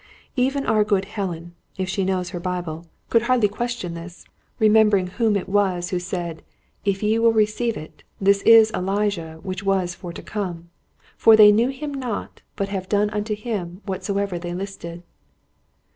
Even our good Helen, if she knows her Bible, could hardly question this, remembering Whom it was Who said: 'If ye will receive it, this is Elijah which was for to come; and they knew him not, but have done unto him whatsoever they listed.'"